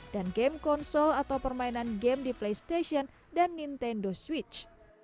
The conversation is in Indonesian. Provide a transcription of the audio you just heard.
dan game konsol atau permainan game di playstation dan nintendo switch